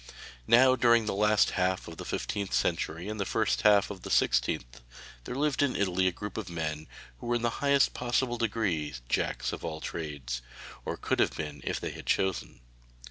Now during the last half of the fifteenth century and the first half of the sixteenth there lived in Italy a group of men who were in the highest possible degree Jacks of all Trades, or could have been so if they had chosen.